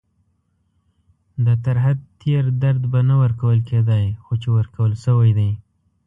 دا تر حد تېر درد به نه ورکول کېدای، خو چې ورکول شوی دی.